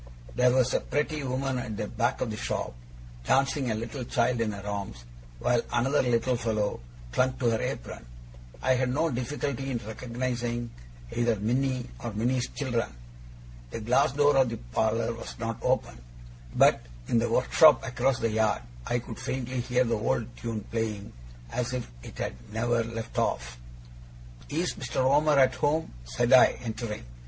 There was a pretty woman at the back of the shop, dancing a little child in her arms, while another little fellow clung to her apron. I had no difficulty in recognizing either Minnie or Minnie's children. The glass door of the parlour was not open; but in the workshop across the yard I could faintly hear the old tune playing, as if it had never left off. 'Is Mr. Omer at home?' said I, entering.